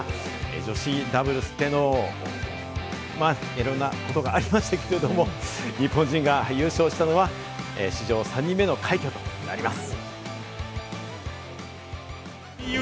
女子ダブルスでの、いろんなことがありましたけれども、日本人が優勝したのは、史上３人目の快挙となります。